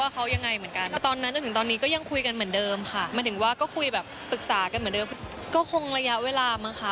ปรึกษากันเหมือนเดิมก็คงระยะเวลามั้งค่ะ